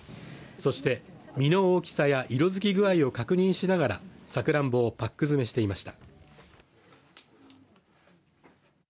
そして、実の大きさや色づき具合を確認しながらさくらんぼをパック詰めしていました。